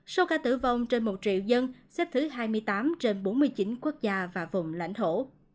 số ca tử vong trên một triệu dân xếp thứ hai mươi tám trên bốn mươi chín quốc gia và vùng lãnh thổ